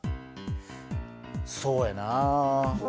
そうやな。